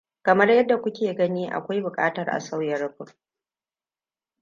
Kamar yadda ku ke gani akwai buƙatar a sauya rufin.